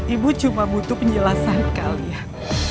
ibu cuma butuh penjelasan kalian